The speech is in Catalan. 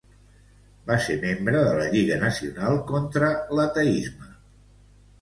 Va ser membre de la Lliga Nacional contra l'Ateisme.